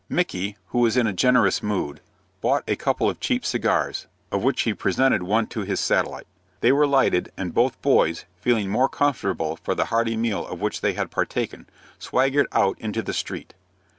Micky, who was in a generous mood, bought a couple of cheap cigars, of which he presented one to his satellite. These were lighted, and both boys, feeling more comfortable for the hearty meal of which they had partaken, swaggered out into the street.